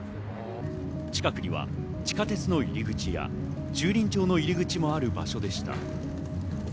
近くには地下鉄の入り口や、駐輪場の入り口もある場所でした。